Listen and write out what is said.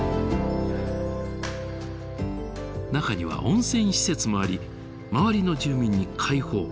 中には温泉施設もあり周りの住民に開放。